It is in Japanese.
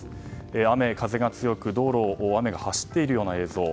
雨風が強く道路を雨が走っているような映像。